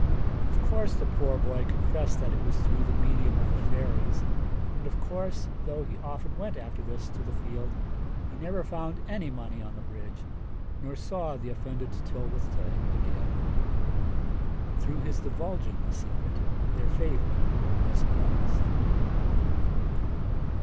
Of course the poor boy confessed that it was through the medium of the fairies, and of course, though he often went after this to the field, he never found any money on the bridge, nor saw the offended Tylwyth Teg again. Through his divulging the secret their favour was lost.